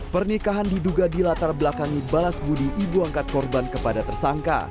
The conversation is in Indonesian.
pernikahan diduga dilatar belakangi balas budi ibu angkat korban kepada tersangka